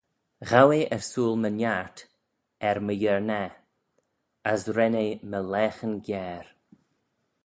Ghow eh ersooyl my niart er my yurnah: as ren eh my laghyn giare.